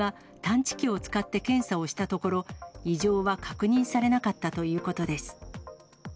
消防が探知を使って検査をしたところ、異常は確認されなかったということです。